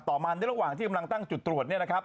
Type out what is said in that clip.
ต่อมาในระหว่างที่กำลังตั้งจุดตรวจ